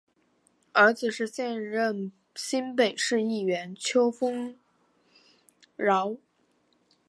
儿子是现任新北市议员邱烽尧。